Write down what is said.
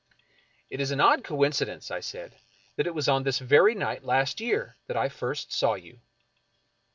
" It is an odd coincidence," I said ;" it was on this very night last year that I first saw you."